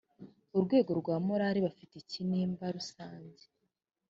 urwego rwa morali bafite ikinimba rusange